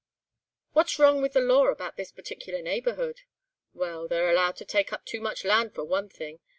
"What's wrong with the law about this particular neighbourhood?" "Well, they're allowed to take up too much land for one thing.